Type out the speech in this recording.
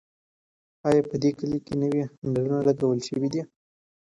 ایا په دې کلي کې نوي نلونه لګول شوي دي؟